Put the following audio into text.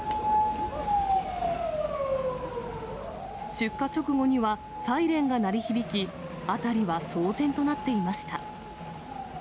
出火直後にはサイレンが鳴り響き、辺りは騒然となっていました。